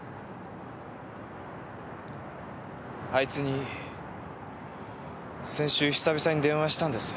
あいつに先週久々に電話したんです。